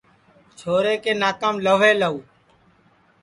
چھورے کے ناکام لہوے لہو